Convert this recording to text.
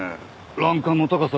欄干の高さ